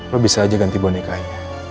lo bisa aja ganti bonekanya